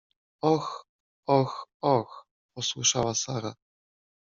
— Och… och… och! — posłyszała Sara.